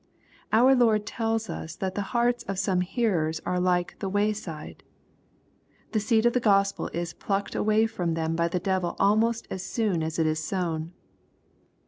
Our Lord tells us that the hearts of some hearers are like " the wayside.*' The seed of the Gospel is plucked away from them by the devil almost as soon as it is sown.